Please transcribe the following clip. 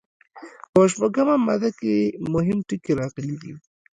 په شپږمه ماده کې مهم ټکي راغلي دي.